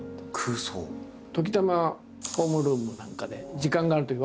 時たまホームルームなんかで時間があるとき